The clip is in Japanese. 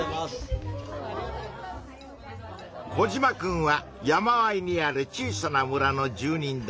コジマくんは山あいにある小さな村の住人だ。